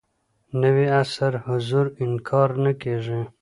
نوي عصر حضور انکار نه کېږي.